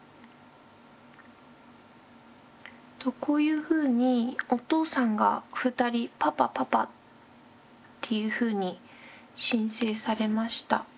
こういうふうにお父さんが２人「パパ」「パパ」っていうふうに申請されました。